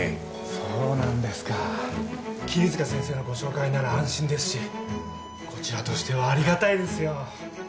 そうなんですか桐塚先生のご紹介なら安心ですしこちらとしてはありがたいですよ